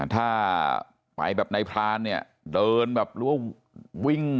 ถ้าไปแบบนายพรานเนี่ยเดินแบบหรือว่าวิ่ง